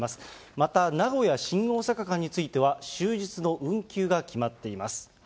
また、名古屋・新大阪間については、終日の運休が決まっています。